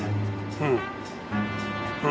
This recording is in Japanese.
うん。